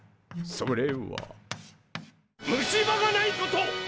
それは虫歯がないこと！